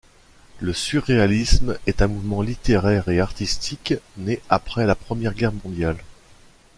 Le surréalisme est un mouvement littéraire et artistique né après la Première Guerre mondiale.